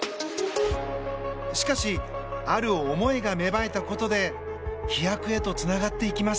しかしある思いが芽生えたことで飛躍へとつながっていきます。